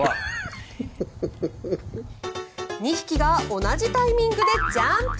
２匹が同じタイミングでジャンプ。